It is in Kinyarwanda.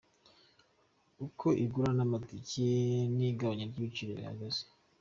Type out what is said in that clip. Uko igura ry’amatike n’igabanya ry’igiciro bihagaze.